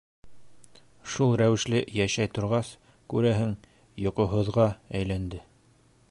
Шул рәүешле йәшәй торғас, күрәһең, йоҡоһоҙға әйләнде.